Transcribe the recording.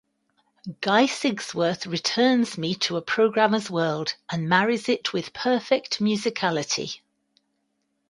Guy Sigsworth returns me to a programmer's world and marries it with perfect musicality.